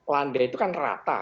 lande itu kan rata